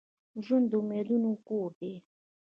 ژوند د امیدونو کور دي.